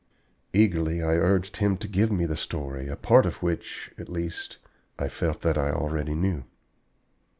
Eagerly I urged him to give me the story, a part of which, at least, I felt that I already knew.